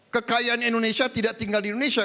kekayaan indonesia tidak tinggal di indonesia